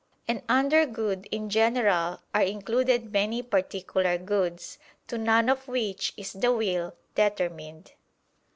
And under good in general are included many particular goods, to none of which is the will determined.